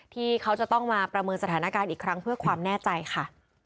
ที่เขาจะต้องมาประเมินสถานการณ์อีกครั้งเพื่อความแน่ใจค่ะ